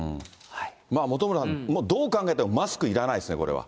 本村さん、どう考えてもマスクいらないですね、これは。